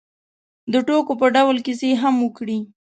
د ټوکو په ډول کیسې هم وکړې.